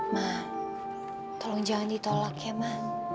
mah tolong jangan ditolak ya ma